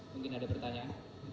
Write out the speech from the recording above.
mungkin ada pertanyaan